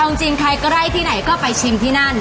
เอาจริงใครใกล้ที่ไหนก็ไปชิมที่นั่น